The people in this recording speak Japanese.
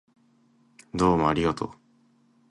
どうもありがとう